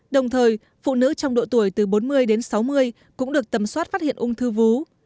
đồng thời phụ nữ trong độ tuổi từ bốn mươi đến sáu mươi cũng được tầm soát phát hiện ung thư vú